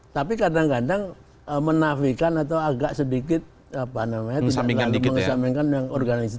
tapi kadang kadang menafikan atau agak sedikit mengesamingkan yang organisasi